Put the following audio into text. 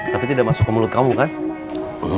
tapi tidak masuk ke mulut kamu kan